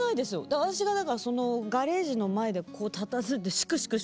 私がだからそのガレージの前でこうたたずんでしくしく